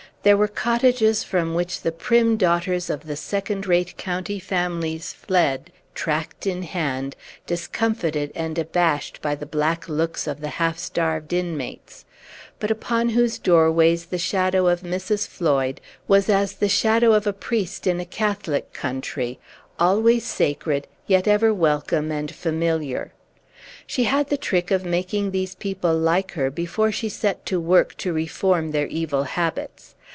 There were cottages from which the prim daughters of the second rate county families fled, tract in hand, discomfited and abashed by the black looks of the half starved inmates, but upon whose doorways the shadow of Mrs. Floyd was as the shadow of a priest in a Catholic country always sacred, yet ever welcome and familiar. She had the trick of making these people like her before she set to work to reform their evil habits.